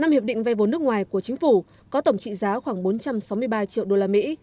năm hiệp định vay vốn nước ngoài của chính phủ có tổng trị giá khoảng bốn trăm sáu mươi ba triệu đô la mỹ